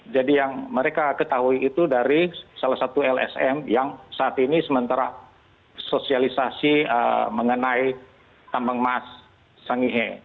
jadi yang mereka ketahui itu dari salah satu lsm yang saat ini sementara sosialisasi mengenai tambang emas sangihe